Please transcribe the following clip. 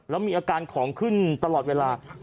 แล้วมีอาการของขึ้นตลอดเวลา